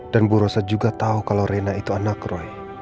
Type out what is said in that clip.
dan bu rosa juga tahu kalau reina itu anak roy